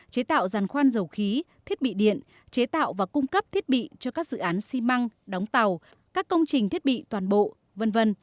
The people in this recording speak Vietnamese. chế tạo giàn khoan dầu khí thiết bị điện chế tạo và cung cấp thiết bị cho các dự án xi măng đóng tàu các công trình thiết bị toàn bộ v v